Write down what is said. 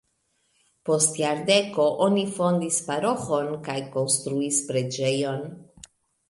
Post jardeko oni fondis paroĥon kaj konstruis preĝejon.